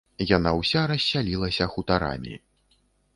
Яна ўся рассялілася хутарамі.